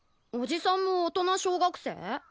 おじさんも大人小学生？